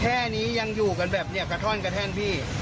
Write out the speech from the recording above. แค่นี้ยังอยู่กันแบบเนี่ยกระท่อนกระแท่นพี่